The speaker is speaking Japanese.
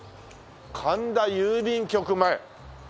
「神田郵便局前」。